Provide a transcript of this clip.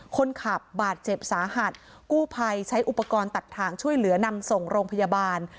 คนขับบาดเจ็บสาหัสกู้ภัยใช้อุปกรณ์ตัดทางช่วยเหลือนำส่งโรงพยาบาล